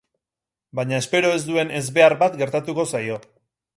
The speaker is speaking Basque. Baina espero ez duen ezbehar bat gertatuko zaio.